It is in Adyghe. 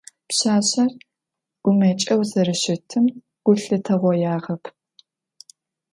Пшъашъэр гумэкӏэу зэрэщытым гу лъытэгъоягъэп.